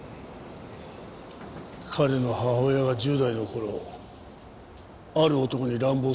彼の母親は１０代の頃ある男に乱暴された。